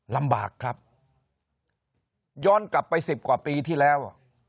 ลำบากครับย้อนกลับไปสิบกว่าปีที่แล้ว